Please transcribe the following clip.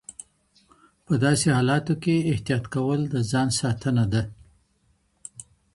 په داسي حالاتو کي احتياط کول د ځان ساتنه ده.